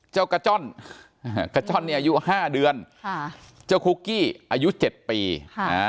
กระจ้อนอ่ากระจ้อนเนี่ยอายุห้าเดือนค่ะเจ้าคุกกี้อายุเจ็ดปีค่ะอ่า